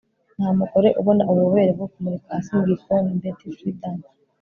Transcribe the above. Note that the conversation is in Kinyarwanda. nta mugore ubona ububobere bwo kumurika hasi mu gikoni - betty friedan